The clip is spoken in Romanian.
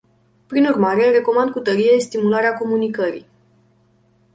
Prin urmare, recomand cu tărie stimularea comunicării.